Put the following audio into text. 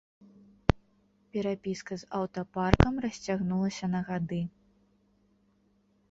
Перапіска з аўтапаркам расцягнулася на гады.